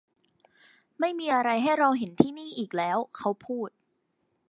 ไม่มีอะไรให้เราเห็นที่นี่อีกแล้วเขาพูด